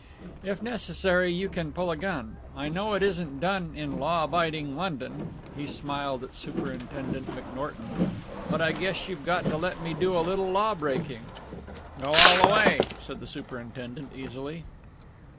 If necessary you can pull a gun I know it isn't done in law abiding London," he smiled at Superintendent McNorton, "but I guess you've got to let me do a little law breaking." "Go all the way," said the superintendent easily.